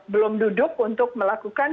belum duduk untuk melakukan